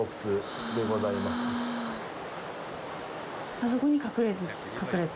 あそこに隠れて？